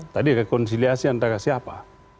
tadi rekonsiliasi antara siapa